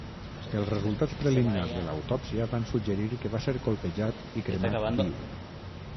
Els resultats preliminars de l'autòpsia van suggerir que va ser colpejat i cremat viu.